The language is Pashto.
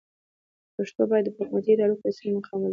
پښتو باید په حکومتي ادارو کې رسمي مقام ولري.